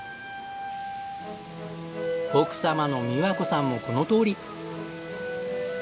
奥様の美和子さんもこのとおり。